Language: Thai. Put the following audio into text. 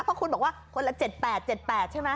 เพราะคุณบอกว่าคนละ๗๘๗๘ใช่ไหม